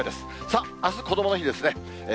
さあ、あす、こどもの日ですね。